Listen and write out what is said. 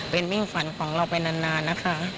เป็นมิ่งฝันของเราไปนานนะคะ